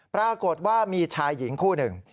ปรากฏว่ามีชายหญิงคู่หนึ่ง